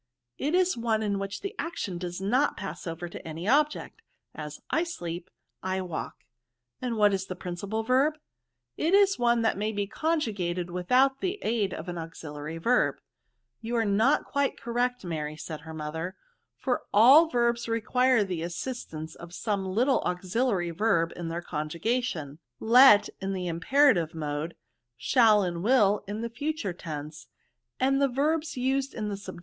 '* "It is one in which the action does not pass over to any object ; as, I sleep, I walk.'* ^" And what is a principal verb?" It is one that may be conjugated with out the aid of an auxiliary verb.'* " There you are not quite correct, Mary," said her mother ;" for all verbs require the assistance of some little auxiliary verb in their conjugation ; let^ in the imperative mode ; shall and will, in the future tense ; and the verbs used in the subj.